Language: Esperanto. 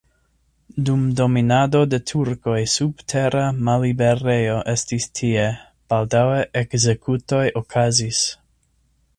Dum dominado de turkoj subtera malliberejo estis tie, baldaŭe ekzekutoj okazis.